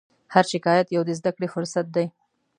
هر شکایت یو د زدهکړې فرصت دی.